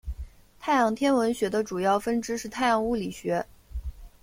太阳天文学的主要分支是太阳物理学。